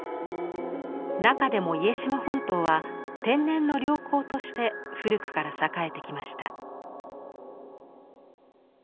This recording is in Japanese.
中でも家島本島は天然の良港として古くから栄えてきました。